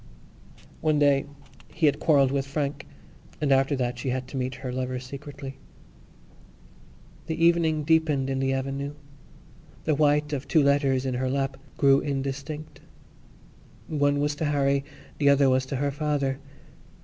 One day he had quarrelled with Frank and after that she had to meet her lover secretly. The evening deepened in the avenue. The white of two letters in her lap grew indistinct. One was to Harry; the other was to her father.